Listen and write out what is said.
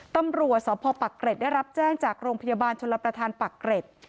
ตำรวจสพปักเกร็ดได้รับแจ้งจากโรงพยาบาลชลประธานปักเกร็ด